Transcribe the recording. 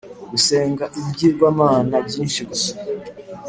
Ugusenga ibigirwamana byinshi gusa